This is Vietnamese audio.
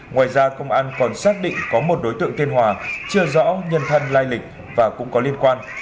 ngoài ra công an còn xác định có một đối tượng tên hòa chưa rõ nhân thân lai lịch và cũng có liên quan